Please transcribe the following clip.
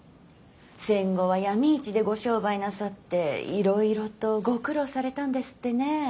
戦後は闇市でご商売なさっていろいろとご苦労されたんですってね。